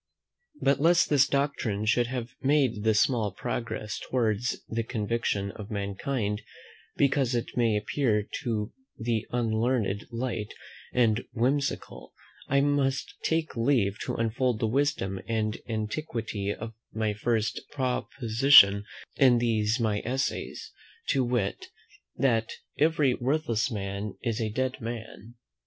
But, lest this doctrine should have made this small progress towards the conviction of mankind, because it may appear to the unlearned light and whimsical, I must take leave to unfold the wisdom and antiquity of my first proposition in these my essays, to wit, that "every worthless man is a dead man."